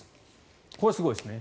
これはすごいですね。